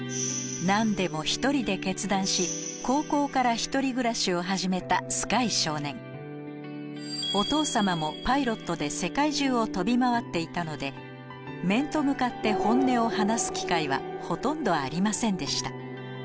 あぁそうだね。を始めたＳＫＹ少年お父様もパイロットで世界中を飛び回っていたので面と向かって本音を話す機会はほとんどありませんでした